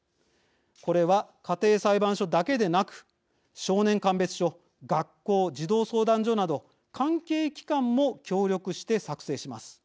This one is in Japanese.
これは家庭裁判所だけでなく少年鑑別所、学校児童相談所など関係機関も協力して作成します。